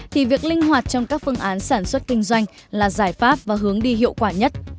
thì việc linh hoạt trong các phương án sản xuất kinh doanh là giải pháp và hướng đi hiệu quả nhất